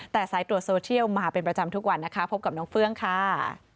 แต่สายตรวจโซเชียลมาเป็นประจำทุกวันนะคะพบกับน้องเฟื่องค่ะ